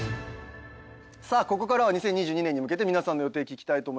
さあここからは２０２２年に向けて皆さんの予定聞きたいと思います。